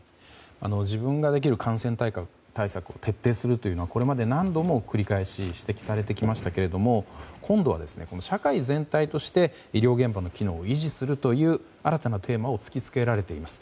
自分ができる感染対策を徹底するというのはこれまで何度も繰り返し指摘されてきましたけども今度は社会全体として医療現場の機能を維持するという新たなテーマを突きつけられています。